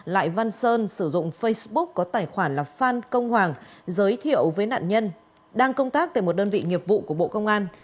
lại văn sơn sử dụng facebook có tài khoản là phan công hoàng giới thiệu với nạn nhân đang công tác tại một đơn vị nghiệp vụ của bộ công an